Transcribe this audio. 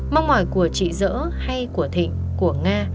mong mỏi của chị dỡ hay của thịnh của nga